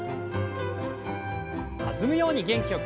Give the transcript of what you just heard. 弾むように元気よく。